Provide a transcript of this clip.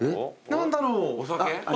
何だろう？